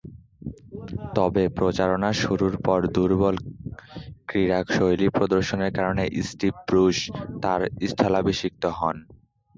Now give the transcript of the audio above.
তবে, প্রচারণা শুরুর পর দূর্বল ক্রীড়াশৈলী প্রদর্শনের কারণে স্টিভ ব্রুস তাঁর স্থলাভিষিক্ত হন।